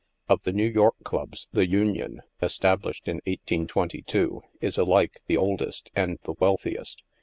" Of the New York clubs, the Union, established in 1822, is alike the oldest and the wealthiest.